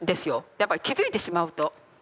やっぱり気付いてしまうと。